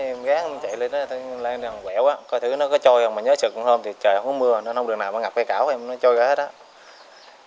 em ghé chạy lên đó lên làng quẻo coi thứ nó có trôi không mà nhớ sợ không trời không có mưa nó nông đường nào mà ngập cây cáo nó trôi ra hết